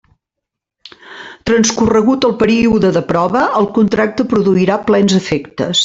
Transcorregut el període de prova, el contracte produirà plens efectes.